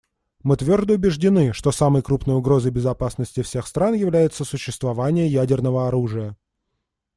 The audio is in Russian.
Мы твердо убеждены, что самой крупной угрозой безопасности всех стран является существование ядерного оружия.